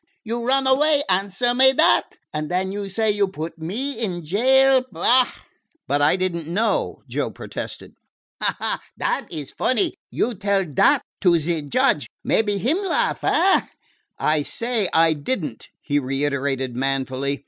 You run away answer me dat! And den you say you put me in jail? Bah!" "But I did n't know," Joe protested. "Ha, ha! Dat is funny. You tell dat to ze judge; mebbe him laugh, eh?" "I say I did n't," he reiterated manfully.